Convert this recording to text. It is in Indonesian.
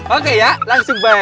oke ya langsung baik ya